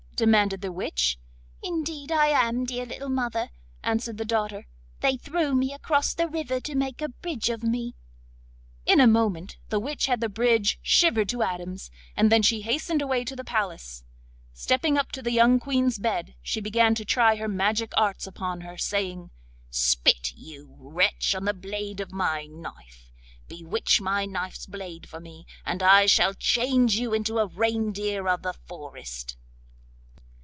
demanded the witch. 'Indeed I am, dear little mother,' answered the daughter. 'They threw me across the river to make a bridge of me.' In a moment the witch had the bridge shivered to atoms, and then she hastened away to the palace. Stepping up to the young Queen's bed, she began to try her magic arts upon her, saying: 'Spit, you wretch, on the blade of my knife; bewitch my knife's blade for me, and I shall change you into a reindeer of the forest.